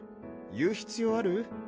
言う必要ある？